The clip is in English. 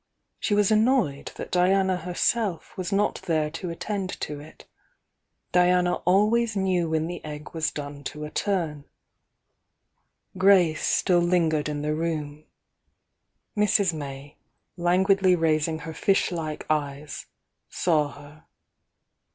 She was annoyed that Diana herself was not there to attend to it. Diana always knew when the egg was done to a turn. Grace still lingered in the room. Mrs. May, languidly raising her fish like eyes, saw her.